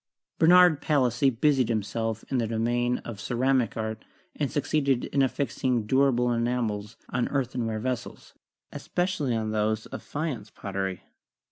Bernard Palissy busied himself in the domain of the ceramic art, and succeeded in affixing durable enamels on earthenware vessels, especially on those of faience pot tery.